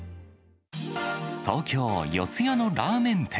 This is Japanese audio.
東京・四谷のラーメン店。